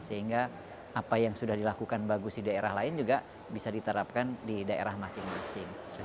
sehingga apa yang sudah dilakukan bagus di daerah lain juga bisa diterapkan di daerah masing masing